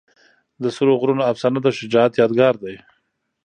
د سرو غرونو افسانه د شجاعت یادګار ده.